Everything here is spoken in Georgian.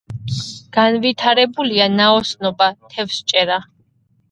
განვითარებულია ნაოსნობა, თევზჭერა.